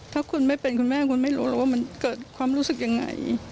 ถ้าคุณไม่เป็นคุณแม่คุณไม่รู้หรอกว่ามันเกิดความรู้สึกยังไง